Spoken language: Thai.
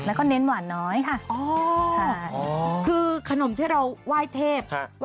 แล้วก็เน้นหวานน้อยค่ะอ๋อใช่คือขนมที่เราไหว้เทพ